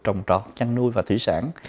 trồng trọt chăn nuôi và thủy sản